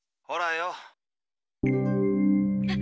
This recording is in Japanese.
ほらよ。